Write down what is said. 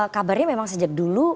kabarnya memang sejak dulu